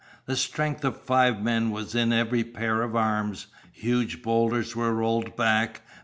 The strength of five men was in every pair of arms. Huge boulders were rolled back.